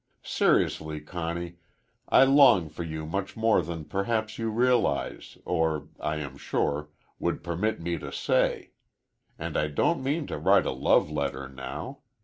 Seriously, Conny, I long for you much more than perhaps you realize or, I am sure, would permit me to say. And I don't mean to write a love letter now.